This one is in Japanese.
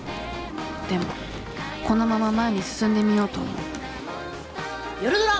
でもこのまま前に進んでみようと思う夜ドラ！